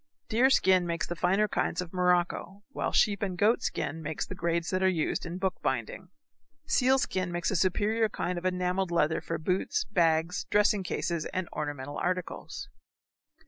Deer skin makes the finer kinds of morocco, while sheep and goat skin make the grades that are used in book binding. Seal skin makes a superior kind of enamelled leather for boots, bags, dressing cases, and ornamental articles.